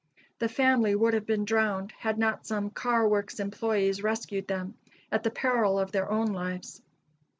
The family would have been drowned had not some car works employes rescued them, at the peril of their own lives.